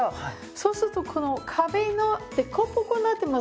そうするとこの壁の凸凹になってますよね。